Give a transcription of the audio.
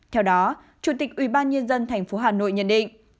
theo đó chủ tịch ubnd tp hà nội nhận định